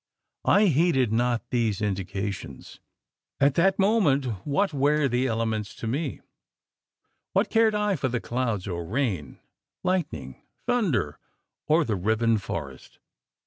I heeded not these indications. At that moment, what where the elements to me? What cared I for the clouds or rain lightning, thunder, or the riven forest?